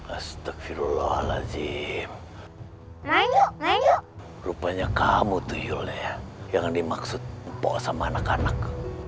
astagfirullahaladzim main main rupanya kamu tuh yulnya jangan dimaksud empok sama anak anak